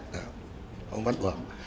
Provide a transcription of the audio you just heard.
là không bắt buộc